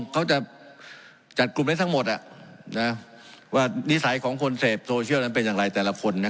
เขาจะจัดกลุ่มได้ทั้งหมดว่านิสัยของคนเสพโซเชียลนั้นเป็นอย่างไรแต่ละคนนะ